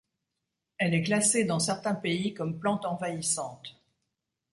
Elle est classée dans certains pays comme plante envahissante.